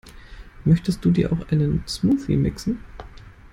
Möchtest du dir auch einen Smoothie mixen?